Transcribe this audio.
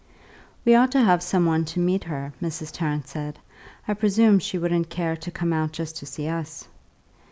XIV "We ought to have some one to meet her," Mrs. Tarrant said; "I presume she wouldn't care to come out just to see us."